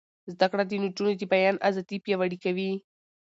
زده کړه د نجونو د بیان ازادي پیاوړې کوي.